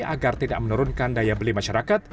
agar tidak menurunkan daya beli masyarakat